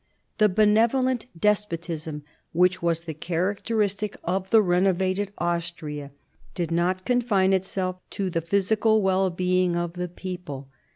The benevolent despotism, which was the character fistic of the renovated Austria, did not confine itseM l/ to the physical wellbeing of the people.